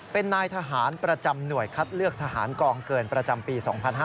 เป็นนายทหารประจำหน่วยคัดเลือกทหารกองเกินประจำปี๒๕๕๙